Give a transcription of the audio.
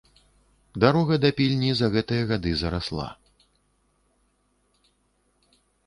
Дарога да пільні за гэтыя гады зарасла.